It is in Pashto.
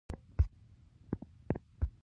خلک د موزیک او تیاتر له لارې خپل ځای پیدا کوي.